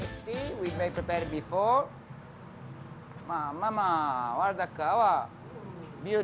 ini adalah pakaian yang kami siapkan sebelumnya